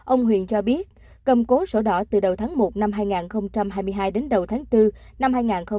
ông huyền cho biết cầm cố sổ đỏ từ đầu tháng một năm hai nghìn hai mươi hai đến đầu tháng bốn năm hai nghìn hai mươi